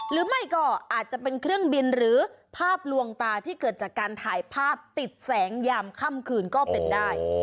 หรือไม่ก็อาจจะเป็นเครื่องบินหรือภาพลวงตาที่เกิดจากการถ่ายภาพติดแสงยามค่ำคืนก็เป็นได้